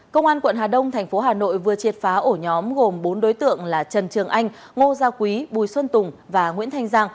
công an quận hà đông thành phố hà nội vừa triệt phá ổ nhóm gồm bốn đối tượng là trần trường anh ngô gia quý bùi xuân tùng và nguyễn thanh giang